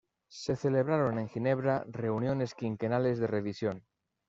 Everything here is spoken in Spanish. Se celebraron en Ginebra reuniones quinquenales de revisión.